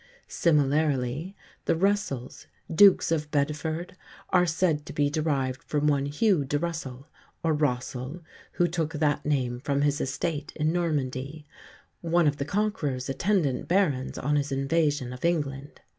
Similarly the Russells, Dukes of Bedford, are said to be derived from one Hugh de Russell, or Rossel (who took that name from his estate in Normandy), one of the Conqueror's attendant barons on his invasion of England.